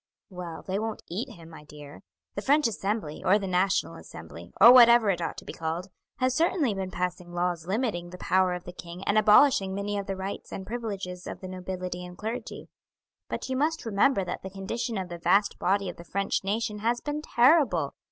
"Well, they won't eat him, my dear. The French Assembly, or the National Assembly, or whatever it ought to be called, has certainly been passing laws limiting the power of the king and abolishing many of the rights and privileges of the nobility and clergy; but you must remember that the condition of the vast body of the French nation has been terrible.